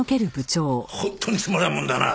本当につまらんもんだな！